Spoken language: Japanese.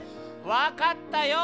分かったよ！